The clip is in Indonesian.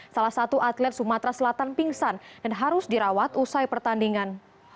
salah satu atlet sumatera selatan pingsan dan harus dirawat usai pertandingan